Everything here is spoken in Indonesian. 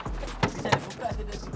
bisa dibuka aja deh